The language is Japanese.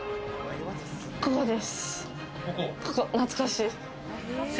ここです。